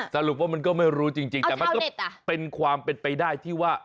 สรุปว่ามันก็ไม่รู้จริงแต่มันก็เป็นความเป็นไปได้ที่ว่า